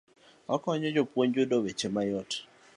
Okonyo jopuonj yudo weche mayot.